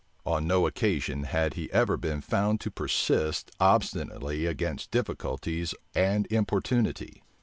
On no occasion had he ever been found to persist obstinately against difficulties and importunity.